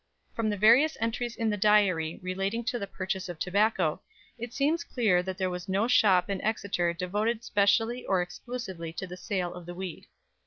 From the various entries in the "Diary" relating to the purchase of tobacco, it seems clear that there was no shop in Exeter devoted specially or exclusively to the sale of the weed.